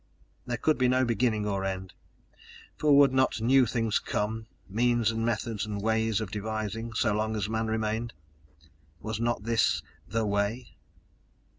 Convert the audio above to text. _ _There could be no beginning or end for would not new things come, means and methods and ways of devising so long as man remained? Was not this The Way?